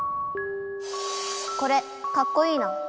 これかっこいいな。